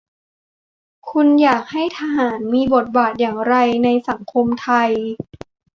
คุณอยากให้ทหาร มีบทบาทอย่างไร ในสังคมไทย ?